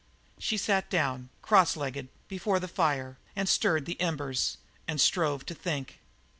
She sat down, crosslegged, before the fire, and stirred the embers, and strove to think.